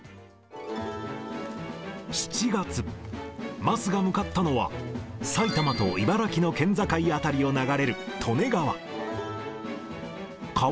７月、桝が向かったのは、埼玉と茨城の県境辺りを流れる利根川。